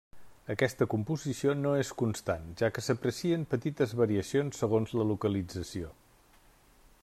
Aquesta composició no és constant, ja que s'aprecien petites variacions segons la localització.